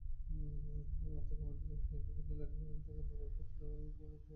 অর্থ কমিটিতে একই প্যানেল থেকে পদার্থবিজ্ঞান বিভাগের অধ্যাপক ফরিদ আহমদ নির্বাচিত হন।